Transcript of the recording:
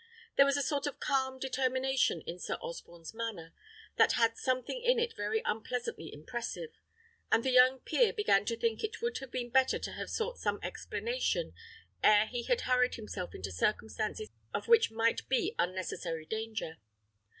There was a sort of calm determination in Sir Osborne's manner, that had something in it very unpleasantly impressive, and the young peer began to think it would have been better to have sought some explanation ere he had hurried himself into circumstances of what might be unnecessary danger.